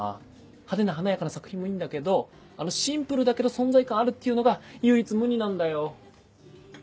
派手な華やかな作品もいいんだけどあのシンプルだけど存在感あるっていうのが唯一無二なんだよ。